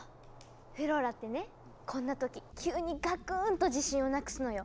フローラってねこんな時急にガクーンと自信をなくすのよ。